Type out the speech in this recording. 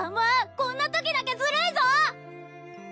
こんな時だけズルいぞ！